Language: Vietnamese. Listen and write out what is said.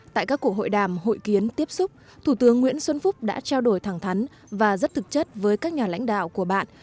tại các cuộc hội đàm hội kiến tiếp xúc thủ tướng nguyễn xuân phúc đã trao đổi thẳng thắn và rất thực chất với các nhà lãnh đạo của bạn